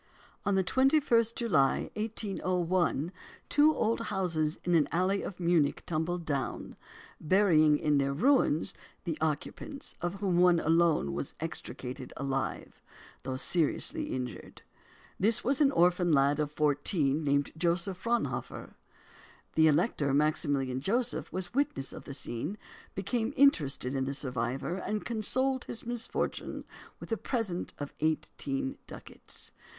On the 21st July, 1801, two old houses in an alley of Munich tumbled down, burying in their ruins the occupants, of whom one alone was extricated alive, though seriously injured. This was an orphan lad of fourteen named Joseph Fraunhofer. The Elector Maximilian Joseph was witness of the scene, became interested in the survivor, and consoled his misfortune with a present of eighteen ducats.